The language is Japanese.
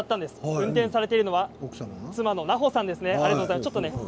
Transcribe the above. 運転されているのは妻のなほさんです。